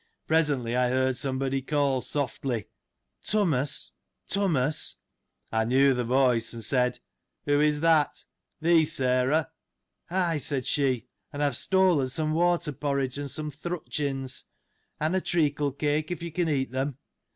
Presently I heard somebody call softly, " Tummus, Tummus.'' I knew th' voice, and said, " Who is that ? Thee, Sarah?" Ay, said she, and I have stolen some water porridge and some thrutchins ;' and a treacle cake, if you can eat them.